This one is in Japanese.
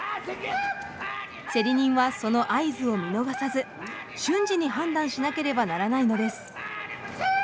競り人はその合図を見逃さず瞬時に判断しなければならないのです。